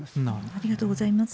ありがとうございます。